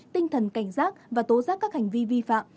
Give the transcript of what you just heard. tinh thần cảnh giác và tố giác các hành vi vi phạm